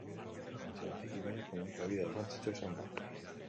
Antzinatik ibaia komunikabide garrantzitsua izan da.